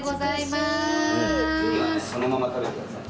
ウニはねそのまま食べてください。